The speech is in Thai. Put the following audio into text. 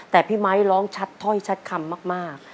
แต่พี่ไมค์ร้องชัดถ้อยชัดคำมาก